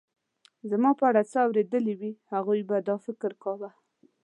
زما په اړه څه اورېدلي وي، هغوی به دا فکر کاوه.